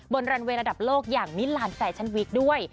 รันเวย์ระดับโลกอย่างมิลานแฟชั่นวิกด้วย